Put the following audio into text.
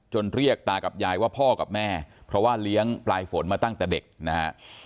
เรียกตากับยายว่าพ่อกับแม่เพราะว่าเลี้ยงปลายฝนมาตั้งแต่เด็กนะฮะ